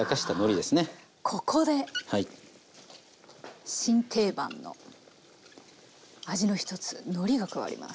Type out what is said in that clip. ここで新定番の味の一つのりが加わります。